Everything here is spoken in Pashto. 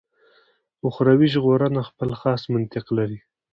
اخروي ژغورنه خپل خاص منطق لري.